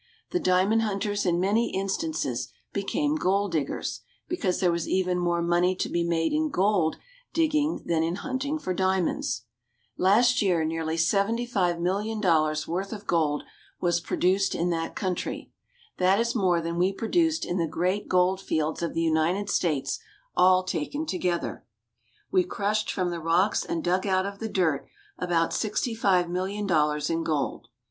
The diamond hunters in many instances became gold diggers, because there was even more money to be made in gold digging than in hunting for diamonds. Last year nearly $75,000,000 worth of gold was produced in that country. That is more than we produced in the great gold fields of the United States all taken together. We crushed from the rocks and dug out of the dirt about $65,000,000 in gold.